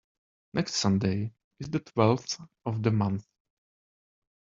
Next Sunday is the twelfth of the month.